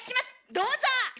どうぞ！